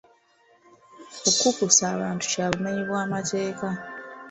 Okukukusa abantu kya bumenyi bw'amateeka.